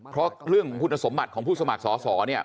เพราะเรื่องของคุณสมบัติของผู้สมัครสอสอเนี่ย